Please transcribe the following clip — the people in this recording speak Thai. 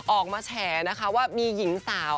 ออกมาแฉว่ามีหญิงสาว